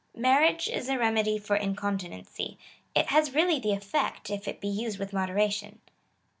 Marriage is a remedy for incontinency. It has really the effect, if it be used with moderation.